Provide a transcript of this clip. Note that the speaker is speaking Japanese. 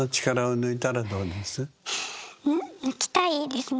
抜きたいですね。